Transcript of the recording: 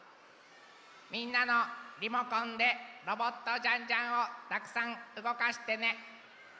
みんなのリモコンでロボットジャンジャンをたくさんうごかしてね！